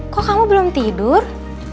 kok kamu belum tidur